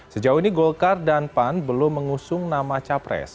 sejauh ini golkar dan pan belum mengusung nama capres